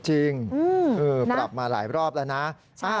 จริงปรับมาหลายรอบแล้วนะ